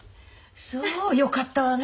そうよかったわね。